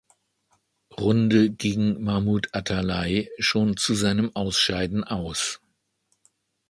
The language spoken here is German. Runde gegen Mahmut Atalay schon zu seinem Ausscheiden aus.